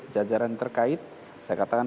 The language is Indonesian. jajaran terkait saya katakan